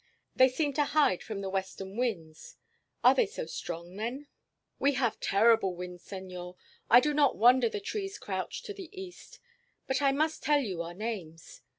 They seem to hide from the western winds. Are they so strong, then?" "We have terrible winds, senor. I do not wonder the trees crouch to the east. But I must tell you our names."